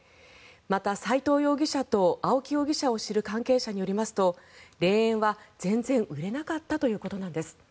また、齋藤容疑者と青木容疑者を知る関係者によりますと霊園は全然売れなかったということなんです。